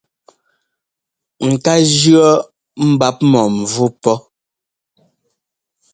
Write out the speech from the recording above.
Ŋ́kaa jʉ́ɔ mbap̧ -mɔ̂mvú pɔ́.